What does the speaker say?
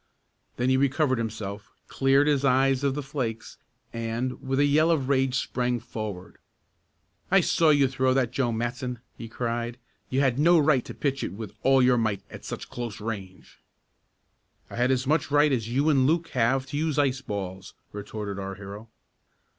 Then he recovered himself, cleared his eyes of the flakes and, with a yell of rage sprang forward. "I saw you throw that, Joe Matson!" he cried. "You had no right to pitch it with all your might at such close range." "I had as much right as you and Luke have to use iceballs," retorted our hero.